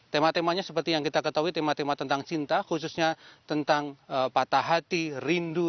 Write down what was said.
tema temanya seperti yang kita ketahui tema tema tentang cinta khususnya tentang patah hati rindu